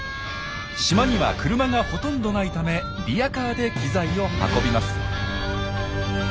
島には車がほとんどないためリヤカーで機材を運びます。